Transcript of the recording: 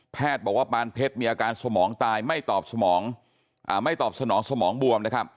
แพทย์บอกว่าปานเพชรมีอาการสมองตายไม่ตอบสนองสมองบวมนะครับ